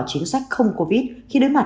chính sách không covid khi đối mặt